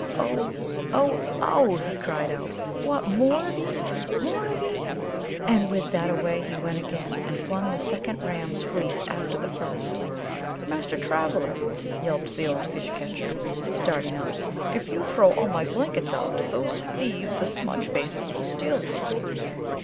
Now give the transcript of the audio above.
"Oh, oh, oh!" he cried out, "What! More of ye! more of ye!" and with that away he went again, and flung the second ram's fleece after the first. "Master Traveller, Master Traveller!" yelped the old Fish catcher, starting up, "if you throw all my blankets out, those thieves the smudge faces will steal them."